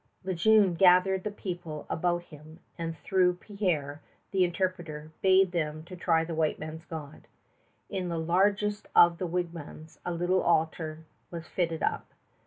Le Jeune gathered the people about him and through Pierre, the interpreter, bade them try the white man's God. In the largest of the wigwams a little altar was fitted up.